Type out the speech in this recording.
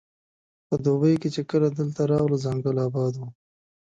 په دوبي کې چې کله دلته راغلو ځنګل اباد وو.